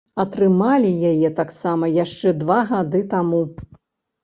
Атрымалі яе таксама яшчэ два гады таму.